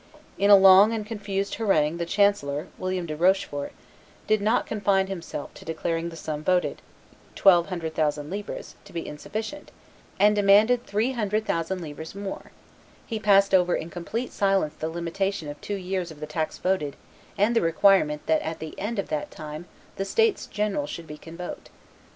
In a long and confused harangue the chancellor, William de Rochefort, did not confine himself to declaring the sum voted, twelve hundred thousand livres, to be insufficient, and demanding three hundred thousand livres more; he passed over in complete silence the limitation to two years of the tax voted and the requirement that at the end of that time the states general should be convoked.